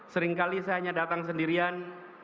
seringkali saya hanya datang sendirian